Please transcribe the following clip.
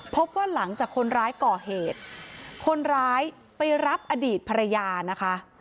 พบว่าหลังจากคนร้ายก่อเหตุคนร้ายไปรับอดีตภรรยานะคะ